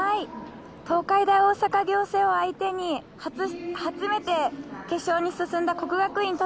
◆東海大大阪仰星を相手に初めて決勝に進んだ国学院